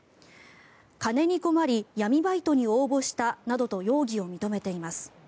金に困り闇バイトに応募したなどと容疑を認めています。